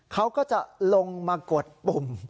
เขาก็จะลงมากดปุ่ม